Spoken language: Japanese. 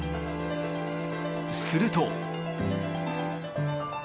すると。